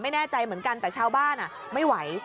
ไม่แน่ใจเหมือนกันแต่ชาวบ้านไม่ไหว